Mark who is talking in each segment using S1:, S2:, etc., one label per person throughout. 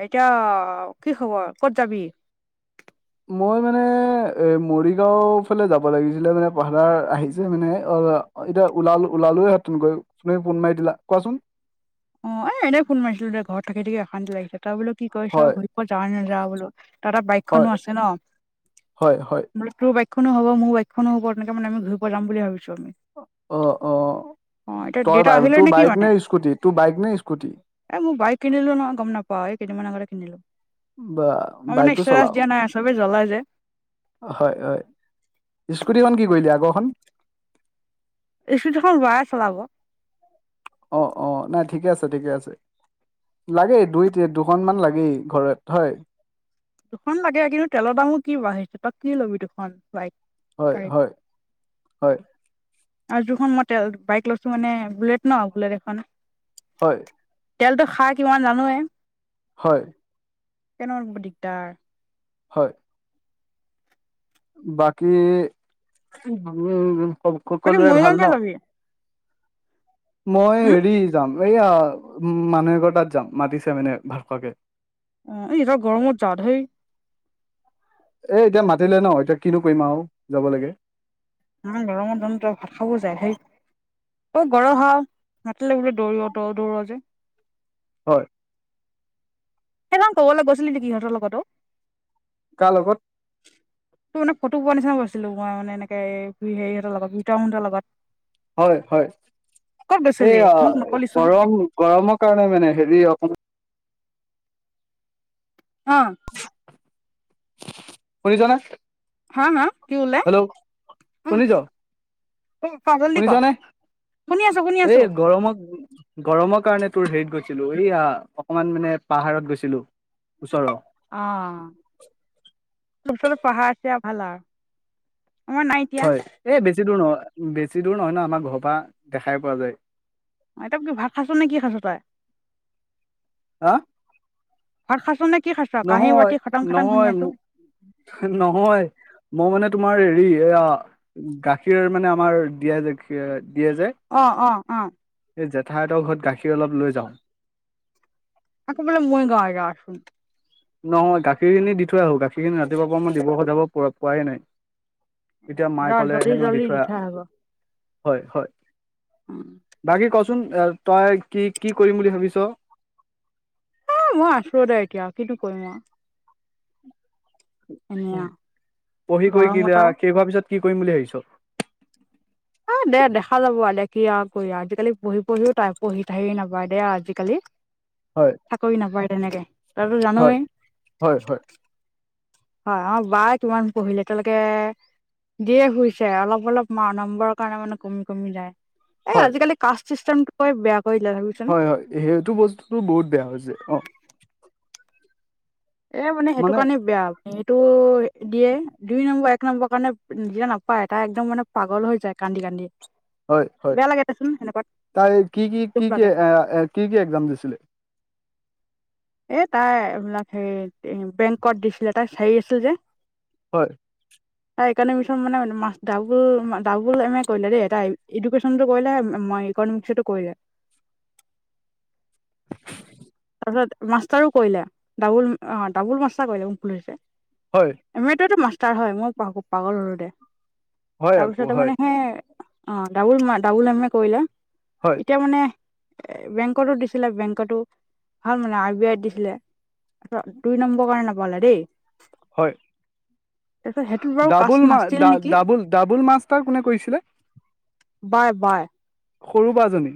S1: এতিয়া কি খবৰ ক'ত যাবি।
S2: মই মানে এ মৰিগাঁও ফালে যাব লাগিছিলে মানে ভাড়া আহিছিল মানে অ। অ এতিয়া লাল ওলালেঁতেন গৈ তুম ফোন মাৰি দিলা কোৱাচোন।
S1: অ এনেই ফোন মাৰিছিলো দে ঘৰত থাকি থাকি অশান্তি লাগিচে তইবোলে কি। কৈছ
S2: হয়
S1: ঘূৰি প যাৱ নাযা বোলো তয় তা
S2: হয়
S1: বাইকখনো আছে ন
S2: হয় হয়
S1: বল। তোৰ বাইকখনো হ'ব মোৰ বাইকখনো হব তেনেহলে আমি ঘূৰিব যাম বুলি ভাবিছো।
S2: অ অ
S1: অ এতিয়া
S2: তই
S1: দেউতা
S2: বাৰু
S1: আহিলে
S2: তোৰ
S1: কি
S2: বাইক
S1: মানে
S2: নে স্কুটি তোৰ বাইক নে স্কুটি।
S1: এ মোৰ বাইক কিনিলো নহ গম নাপাও এই কদিনমান আগতে কিনিলো
S2: বা
S1: মই মানে
S2: বাইকো
S1: ইষ্টেটাছ
S2: চলাও
S1: দিয়া নাই। চবে জ্বলাই যে।
S2: হয় হয় স্কুটিখন কি কৰিলি আগৰখন।
S1: স্কুটি খন বায়ে চলাব।
S2: অ অ নাই ঠিকে আছে ঠিকে আছে। লাগেই দুইতি দুখনমান লাগেই ঘৰত হয়।
S1: দুখন লাগে কিন্তু তেলৰ দামো কি বাঢ়িছে তই কি লবি দুখন। বাইক
S2: হয়
S1: গাড়ী
S2: হয় হয়।
S1: আৰু যিখন মই তে বাইক লৈছো মানে বুলেট ন বুলেট এখন।
S2: হয়।
S1: তেলতটো খাই কিমান জানোৱেই।
S2: হয়।
S1: কেনে দিগদাৰ।
S2: হয়। বাকী উম।
S1: তদি
S2: সকলোৰে
S1: মৰিগও
S2: ভাল ন
S1: কে যাবি।
S2: মই
S1: হুম
S2: হেৰি যাম এইয়া মানুহেগৰ তাত যাম মাতিছে মানে ভাত খোৱাকে।
S1: অ এইতি গৰমৰ জাত ধেই।
S2: এ এতিয়া মাতিলে ন এতিয়া কিনো কৰিম আৰু যাব লাগে।
S1: ইমান গৰমৰ দিনতো ভাত খাবও যায় সেই। অ গৰ হাল হা ল বোলে দৌৰি দৌ দৌৰ যে।
S2: হয়।
S1: কব লা গৈছিলি নেকি সিহতৰ লগতো।
S2: কাৰ লগত।
S1: [inaudible] তো মানে ফটো পোৱাৰ নিচিনা পাইছিলো মই মানে এনেকে হেৰিহতৰ লগত ভিতং হতৰ লগত।
S2: হয় হয়,
S1: ক'ত গৈছিলি
S2: এইয়া
S1: মোক নক'লিচোন
S2: গৰম গৰমৰ কাৰণে মানে হেৰি অকণ-
S1: অঁ'
S2: শুনিছনে?
S1: হাঁ মা কি কলে?
S2: হেল্ল'
S1: উম'
S2: শুনিছ
S1: উম' ক জল্দি ক
S2: শুনিছনে?
S1: শুনি আছোঁ শুনি
S2: এই
S1: আছোঁ
S2: গৰমত- গৰমৰ কাৰণে তোৰ হেৰিত গৈছিলো এইয়া অকমান মানে পাহাৰত গৈছিলো ওচৰৰ।
S1: অঁ ওচৰত পাহাৰ আছে ভাল আৰু আমাৰ নাই। এতিয়া
S2: হয়, এই বেছি দূৰ নয় বেছি দূৰ নহয় ন আমাৰ ঘৰৰ পৰা দেখাই পোৱা যায়।
S1: অ তাত কি ভাত খাইছ নে কি খাইছ তই?
S2: হাঁ'
S1: ভাত খাইছ নে কি খাইছ? কাঁহী বাটি খাটাং খাটাং শুনি আছো।
S2: হে নহয় মো মানে তোমাৰ হেৰি এয়া- গাখীৰৰ মানে আমাৰ দিয়ে যে দিয়ে যে, -
S1: অঁ অঁ অঁ'
S2: সেই জেঠায়ঁতৰ ঘৰত গাখীৰ অলপ লৈ যাওঁ।
S1: আকৌ বলে মই গাঁৱে গাচোন।
S2: নহয় গাখিৰ খিনি দি থৈ আহো। গাখীৰখিনি ৰাতিপুৱা পৰা মই দিব যাব পৰা পোৱাই নাই। ইতিয়া
S1: যা
S2: মায়ে ক'লে
S1: জল্দি
S2: সেটো দি
S1: জল্দি
S2: থৈ আ।
S1: আহিব
S2: হয় হয়, বাকী কচোন এ তই কি কি কৰিম বুলি ভাবিছ?
S1: অ মই আছো দে এতিয়া কিটো কৰিম আও। এনে
S2: উ
S1: আৰু
S2: পঢ়ি কৰি
S1: গৰমত
S2: কিলিয়া
S1: আৰু
S2: শেষ হোৱা পিছত কি কৰিম বুলি ভাবিছ?
S1: এ দে দেখা যাব আৰু দে কি আৰু কৰি আজিকালি পঢ়ি পঢ়িও তাই পঢ়ি থাহি নাপায় দে আজিকালি। [unintelligible]
S2: হয়।
S1: চাকৰি নাপায় তেনেকে তয়তো
S2: হয়
S1: জানই।
S2: হয় হয়।
S1: হয়, আমা বাই কিমান পঢ়িলে এতিয়ালেকে দিয়ে ফুইছে অলপ অলপ- মা নম্বৰৰ কাৰণে মানে কমি কমি যায়। এই
S2: হয়
S1: আজিকালি কাষ্ট চিষ্টেমটোৱে বেয়া কৰিলে চাবিচোন।
S2: এ সেইটো বস্তুটো বহুত বেয়া হৈছে অঁ।
S1: এ মানে সেইটো কাৰণে বেয়া আপুনি এইটো দিয়ে দুই নম্বৰ এক- এক নাম্বৰ কাৰণে নিজে নাপায় এটা একদম মানে পাগল হৈ যায় কান্দি কান্দি।
S2: হয় হয়,
S1: বেয়া লাগে দেচোন সেনেকুৱাত
S2: তাই কি কি
S1: দুখ
S2: কি কি
S1: লাগে
S2: এ কি কি এক্জাম দিছিলে?
S1: এ তাই এইবিলাক হে বেংকত দিছিলে তাই চাৰি আছিল যে।
S2: হয়।
S1: [inaudible] তাই ইকনিমিছত মানে দাবুল ডাবুল এম এ কৰিলে দেই এ এডুকেশচনটো কৰিলে মই- কণ মিক্সছটো কৈলে। তাৰপিছত মাষ্টাৰো কৰিলে ডাবুল অঁ ডাবুল মাষ্টাৰ কৰিলে মো ভুল হৈছে।
S2: হয়।
S1: এম এ তোৱেটো মাষ্টাৰ হয়, মই প পাগল হলো দে
S2: হয় আপু
S1: তাৰপিছতে
S2: হয়
S1: মানে সে- অঁ ডাবুল মা ডাবুল এম এ কৰিলে
S2: হয়
S1: এতিয়া মানে- এ বেংকতো দিছিলে বেংকতো। ভাল মানে আৰ বি আইত দিছিলে ত দুই নম্বৰ কাৰণে নাপালে দেই।
S2: হয়,
S1: তাৰপিছত সেইটোত বাৰু কাষ্ট
S2: ডাবুল মা
S1: নাছিল
S2: ডা
S1: নেকি
S2: ডাবুল ডাবুল মাছতাৰ কোনে কৰিছিলে?
S1: Bye bye.
S2: সৰু বাজনী।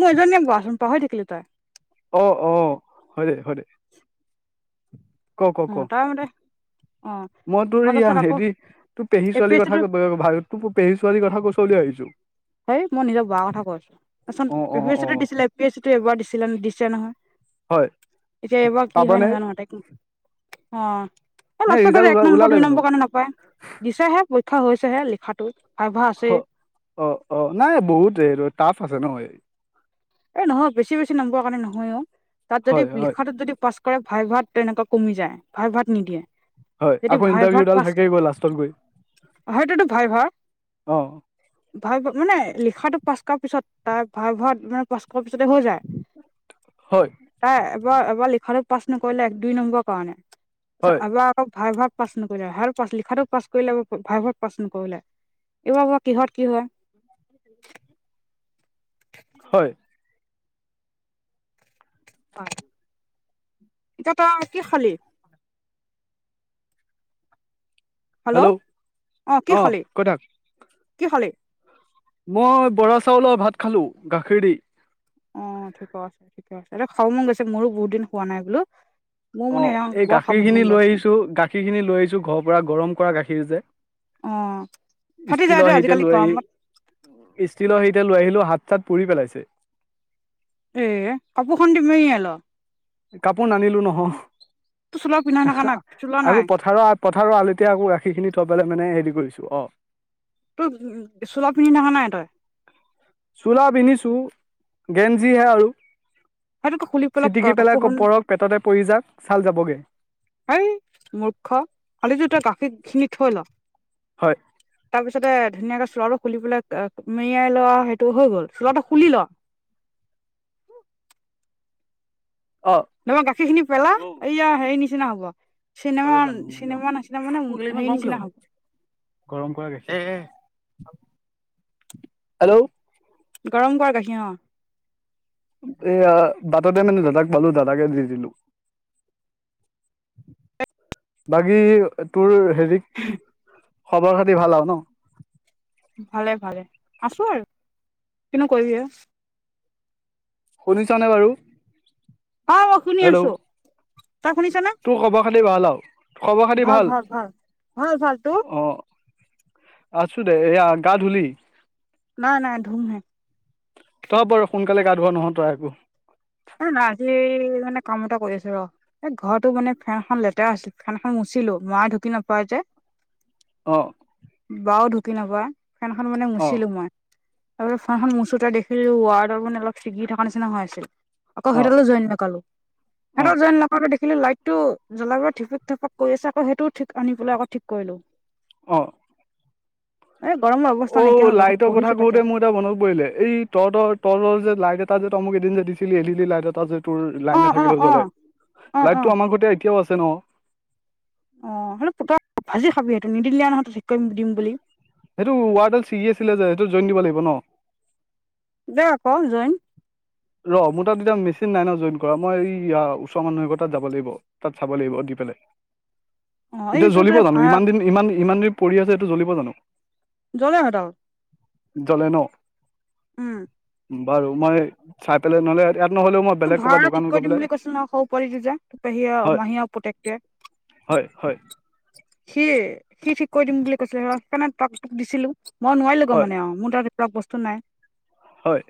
S1: মই এজনীয়ে পা-পাহৰি থাকিলো তাই।
S2: অহ-অহ' হয় দেই হয় দেই।
S1: [unintelligible]
S2: মই তোৰ
S1: তাৰপাছত আকৌ
S2: হেৰি তোৰ পেহী
S1: এ পি
S2: ছোৱালীৰ
S1: এছ
S2: কথা,
S1: চিটো
S2: তোৰ পেহী ছোৱালীৰ কথা কৈছ বুলি ভাবিছোঁ।
S1: সেই মই নিজৰ [unintelligible] কথা
S2: অ অ
S1: কৈছো,
S2: অ
S1: [unintelligible] দিছিলে। আপিছই এবাৰ দিছিলে দিছে নহয়,
S2: হয়
S1: এতিয়া এইবাৰ কি হয়
S2: পাবনে
S1: নাজানো তাইক
S2: নে ৰিজাল্ট
S1: [unintelligible]
S2: ওল
S1: এক নম্বৰ
S2: ওলালে
S1: দুই
S2: জানো
S1: নম্বৰ কাৰণে নাপায়। দিছেহে পৰীক্ষা হৈছেহে লিখাটো। ভাব্যা আছেই।
S2: অহ-অহ' নাই বহুত এই টাফ আছে ন' এই।
S1: এ নহয় বেছি বেছি নম্বৰ কাৰণে নহয়ও, তাত যদি
S2: হয়
S1: লিখাটো যদি পাছ কৰে ভাইভাত তেনেকুৱা কমি যায়, ভাই ভাত নিদিয়ে।
S2: হয়
S1: যদি
S2: আকৌ
S1: ভাই
S2: ইণ্টাৰভিউডাল থাকিব লাষ্টত গৈ।
S1: সেইটোৱেইটো ভাইভা।
S2: অঁ।
S1: ভাইভা মানে লিখাটো পাছ কৰা পিছত তাৰ ভাইভাত মানে- পাঁচ্শ পিছতে হৈ যায়।
S2: হয়।
S1: তাই এবাৰ এবাৰ লিখাটোত পাছ নকৰিলে এক দুই নম্বৰৰ কাৰণে।
S2: হয়
S1: এবাৰ- ভাইভাৱ পাছ নকৰিলে, ভ পাছ। লিখাতোত পাছ কৰিলে, ভাইভাৱ পাছ নকৰিলে। এইবাৰ বাৰু কিহত কি হয়।
S2: [unintelligible] হয়।
S1: হয়, এতিয়া তই কি খালি? হেল্ল' অঁ, কি
S2: অ
S1: খালি,
S2: কৈ থাক
S1: কি খালি?
S2: মই বৰা চাউলৰ ভাত খালোঁ গাখীৰ দি।
S1: অঁ' ঠিক আছে ঠিকে আছে, এই খাব মন গৈছে, মোৰো বহুত দিন খোৱা নাই বোলো। মোৰ মানে
S2: অঁ, এই
S1: বৰ খাব
S2: গাখীৰ
S1: মন
S2: খিনি লৈ
S1: গৈছে
S2: আহিছো, গাখীৰ খিনি লৈ আহিছো ঘৰৰ পৰা গৰম কৰা গাখীৰ যে।
S1: অ ফাটি যায় দে
S2: ষ্টিলৰ সেৰিতে
S1: আজিকালি
S2: লৈ আহি
S1: গৰমত
S2: ষ্টীলৰ সেৰিতে লৈ আহিলো হাত-চাত পুৰি পেলাইছে।
S1: এ কাপোৰখন দি মেৰিয়াই ল।
S2: কাপোৰ নানিলো
S1: তোৰ চোলা পিন্ধা থকা
S2: নহয়
S1: নাই চোলা
S2: আৰু
S1: নাই
S2: পথাৰৰ পথাৰৰ আলিতে আকৌ গাখীৰ খিনি থৈ পেলাই মানে হেৰি কৰিছো, অঁ।
S1: তই চোলা পিন্ধি থখা নাই তই?
S2: চোলা পিন্ধিছো, গেঞ্জিহে আৰু।
S1: সেইটোকেই খুলি পেলাই
S2: চিটিকি
S1: কাপোৰখন
S2: [unintelligible] পেটতে পৰি যাক ছাল যাবগৈ।
S1: সেই মূৰ্খ খালি [unintelligible] গাখীৰ খিনি থৈ ল।
S2: হয়।
S1: তাৰ পিছতে ধুনীয়াকে চোলাটো খুলি পেলাই মেৰিয়াই লোৱা সেইটো হৈ গ'ল। চোলাটো খুলি ল'।
S2: অ
S1: নহবা গাখীৰ খিনি পেলা,
S2: বৌ
S1: এইয়া হেৰি নিচিনা হ'ব।
S2: কলেজ
S1: চিনেমা
S2: যাম
S1: চিনেমা
S2: মোক
S1: নিচিনা মানে
S2: ইমান
S1: সেৰি
S2: গৰম কিয়
S1: নিচিনা হ'ব।
S2: গৰম কৰা গাখী, হেল্ল'।
S1: গৰম কৰা গাখীৰ অঁ।
S2: এয়া বাটতে মানে দাদাক পালোঁ, দাদাকে দি দিলোঁ। বাকী তোৰ হেৰি খবৰ খাতি ভাল আৰু ন'?
S1: ভালে ভালে, আছোঁ আৰু। কিনো কৰিবি আ।
S2: শুনিছনে বাৰু?
S1: অ' মই শুনি
S2: হেল্ল'
S1: আছোঁ। তই শুনিছনে?
S2: তোৰ খবৰ খাতি ভাল আৰু খবৰ খাতি
S1: ভাল ভাল ভাল, [unintelligible] ভাল তোৰ?
S2: আছোঁ দে। এয়া গা ধূলি?
S1: নাই নাই, ধূমহে।
S2: তই বাৰু সোনকালে গা ধোৱা নহয়, তই আকৌ।
S1: এ, না, আজি মানে কাম এটা কৰি আছোঁ ৰ'। এ, ঘৰটো মানে ফেনখন লেতেৰা হৈছিল, ফেন এখন মুচিলো, মাই ঢুকি নপায় যে।
S2: অ'।
S1: বাও ঢুকি নাপায়, ফেনখন মানে
S2: অ
S1: মুচিলো মই। [unintelligible] ফেনখন মুচোতে দেখিলো ৱাৰ্ডৰ মানে অলপ ছিগি থকা নিচিনা হৈ আছিল। আকৌ
S2: অ
S1: সেইডালো জইন লগালোঁ।
S2: অ
S1: সিহঁতক জইন লগাওঁতে দেখিলোঁ লাইটটো জ্বলাব [unintelligible] কৰি আছে আকৌ সেইটো ঠিক আনি পেলাই আক ঠিক কৰিলোঁ। [inaudible]
S2: অ'।
S1: এ, গৰম [unintelligible]
S2: অ' লাইটৰ কথা কওঁতে মোৰ এটা মনত পৰিলে এই তই ধৰ তই [unintelligible] যে লাইট এটা যে তই মোক এদিন যে দিছিলি, এল ই ডি লাইট এটা যে তোৰ
S1: অ
S2: লাইন
S1: অ
S2: নাথাকিলেও
S1: অ
S2: জ্বলে,
S1: অ অ
S2: লাইটো আমাৰ ঘৰতে এতিয়াও আছে ন'?
S1: অ' [unintelligible] ভাজি খাবি, সেইটো নিদিলে নহয় তই ঠিক কৰিম দিম বুলি।
S2: সেইটো ৱায়াৰডাল ছিগি আছিলে যে সেইটো জইন দিব লাগিব ন'।
S1: দে আকৌ জইন।
S2: ৰ মোৰ তাত এতিয়া মেচিন নাই ন' জইন কৰা, মই য়া ওচৰ মানুহ এঘৰ তাত যাব লাগিব। তাত চাব লাগিব দি পেলাই।
S1: অ এই
S2: এতিয়া
S1: তোৰ ত
S2: জ্বলিব জানো,
S1: ভাড়া
S2: ইমান দিন ইমান ইমান দিন পৰি আছে এইটো জ্বলিব জানো?
S1: [unintelligible]
S2: জ্বলে ন'?
S1: উম।
S2: বাৰু মই চাই পেলাই নহ'লে ইয়াত নহ'লেও মই
S1: তোক
S2: বেলেগ
S1: ভাড়া
S2: ক'ৰবাত
S1: লৈ ঠিক
S2: দোকানত গৈ
S1: কৰি দিম
S2: পেলাই
S1: বুলি কৈছিল ন' সৰু পোৱালিটো যে, তোৰ পেহীয়ে,
S2: হয়
S1: মাহী আৰু পুতেকটোৱে?
S2: হয়, হয়।
S1: সি, সি ঠিক কৰি দিম বুলি কৈছিলে, সেইকাণে তাক তোক দিছিলোঁ। মই নোৱাৰিলোঁ গৈ
S2: হয়
S1: মানে আৰু, মোৰ তাত এইবিলাক বস্তু নাই।
S2: হয়।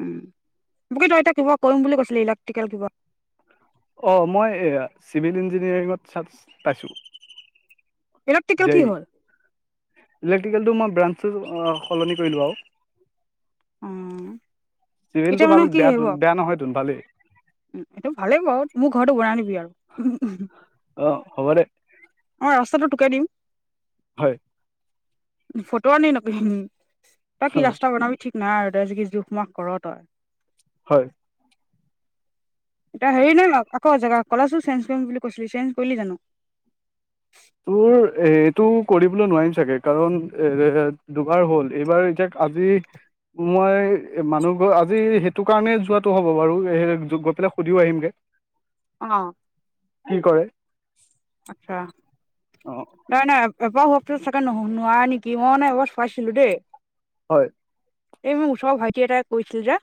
S1: উম, বাকী তই এতিয়া কিবা কৰিম বুলি কৈছিলি ইলেক্ট্ৰিকেল কিবা।
S2: অ' মই এয়া চিভিল ইঞ্জিনিয়াৰিঙত চাঞ্চ পাইছোঁ।
S1: ইলিক্টিকেল
S2: জে
S1: কি
S2: ই
S1: হ'ল?
S2: ইলেক্ট্ৰিকেলটো মই ব্ৰাঞ্চটো সলনি কৰিলোঁ আৰু।
S1: অ
S2: চিভেলটো
S1: এতিয়া
S2: ভাল
S1: মানে
S2: বেয়াতো বেয়া নহয়তোন ভালেই।
S1: উ, সেইটো ভালেই বাৰু, মোৰ ঘৰৰটো বনাই দিবি আৰু।
S2: অ' হ'ব দে।
S1: অঁ, ৰাস্তাটো তোকে দিম।
S2: হয়।
S1: ফোটনি নকৰিবি, তই কি
S2: হয়
S1: ৰাস্তা বনাবি ঠিক নাই আৰু তই যিখি জোখ-মাখ কৰ তই।
S2: হয়।
S1: তই হেৰি নে ন ' আকৌ জেগা, কলেজটো চেঞ্জ কৰিম বুলি কৈছিলি, চেঞ্জ কৰিলি জানো?
S2: তোৰ এইটো কৰিবলৈ নোৱাৰিম চাগে কাৰণ এ দুবাৰ হ'ল। এইবাৰ এতিয়া আজি মই মানুহ ঘৰ, আজি সেইটো কাৰণেই যোৱাটো হ'ব বাৰু এ যো গৈ পেলাই সুধিও আহিমগে।
S1: অঁ।
S2: কি কৰে।
S1: আচ্ছা,
S2: অ
S1: নাই নাই এইবাও টো চাগে নহ নোৱাৰে নেকি? মই মানে এবাৰ চোৱাইছিলোঁ দেই।
S2: হয়।
S1: এই মোৰ ওচৰৰ ভাইটি এটাই কৰিছিল যে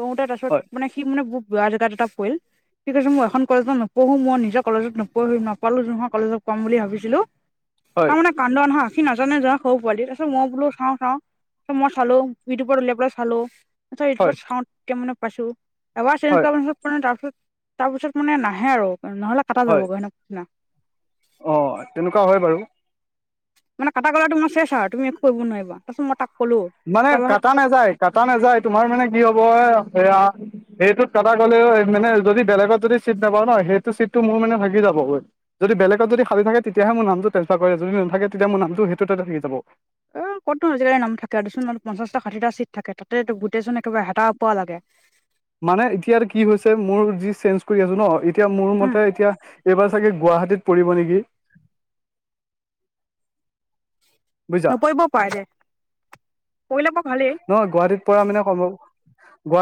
S1: কৰোতে
S2: হয়
S1: তাৰপিছত মানে সি মানে মোক দুটা জেগাত দুটা পৰিল। সি কৈছে মই এখন কলেজত নপঢ়ো, মই নিজৰ কলেজত নপঢ়ি ন কলো নহয় কলেজত কম বুলি ভাবিছিলোঁ।
S2: হয়
S1: তাৰমানে কান্দন হাঁ সি নাজানে যে সৰু পোৱালি তাৰপিছত মই বোলো চাওঁ চাওঁ। ত ' মই চালো, ইউটিউবত উলিয়াই পেলাই চালোঁ। এটা
S2: হয়
S1: ইউটিউবত চাওতে মানে পাইছোঁ। এবাৰ চেঞ্জ
S2: হয়
S1: কৰা পিছত মানে তাৰপিছত তাৰপিছত মানে নাহে আৰু নহলে কাটা যাব গৈ [unintelligible]
S2: অঁ, তেনেকুৱা হয় বাৰু।
S1: মানে কাটা গ'লে তোমাৰ চেছ আও তুমি একো কৰিব নোৱাৰিবা। তাৰপিছত মই তাক ক'লো
S2: মানে
S1: তাৰপৰা
S2: কাটা নেযায়, কাটা নেযায় তোমাৰ মানে কি হ'ব এয়া সেইটোত কাটা গ'লেও সেই মানে যদি বেলেগত যদি চিট নাপাওঁ ন' সেইটো চিটটো মোৰ মানে থাকি যাবগৈ। যদি বেলেগত যদি খালী থাকে তেয়াহে মোৰ নামটো ট্ৰেনপাৰ কৰে যদি নাথাকে তেতিয়া নামটো সেইটোতে থাকি যাব।
S1: এ ক'তনো আজিকালি নাম থাকে আৰু দেচোন পঞ্চাশটা, ষাঠিটা চিট থাকে তাতে গোটেইচোন একেবা হেতা-ওপৰা লাগে।
S2: মানে, এতিয়া আৰু কি হৈছে? মোৰ যি চেঞ্জ কৰি আছো ন' এতিয়া মোৰ
S1: উম
S2: মতে, এতিয়া এইবাৰ চাগে গুৱাহাটীত পৰিব নেকি? বুজিছা
S1: নপৰিবও পাৰে দে, পৰিলে বাও ভালেই।
S2: নহয়, গুৱাহাটীত পৰা মানে সম্ভৱ গুৱাহাটী